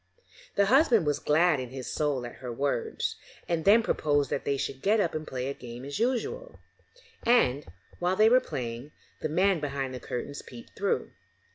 The husband was glad in his soul at her words, and then proposed that they should get up and play a game as usual; and, while they were playing, the man behind the curtains peeped through.